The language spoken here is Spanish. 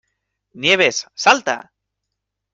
Nieves, ¡salta!